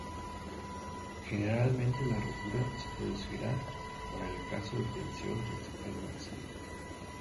Generalmente la rotura se producirá para el caso de tensión principal máxima.